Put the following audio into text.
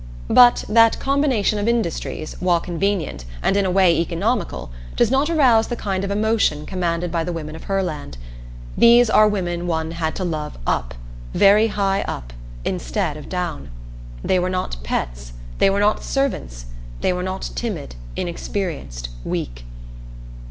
But that combination of industries, while convenient, and in a way economical, does not arouse the kind of emotion commanded by the women of Herland. These were women one had to love "up," very high up, instead of down. They were not pets. They were not servants. They were not timid, inexperienced, weak.